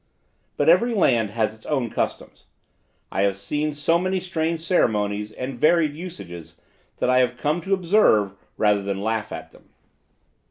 But every land has its own customs. I have seen so many strange ceremonies and varied usages, that I have come to observe, rather than laugh at them.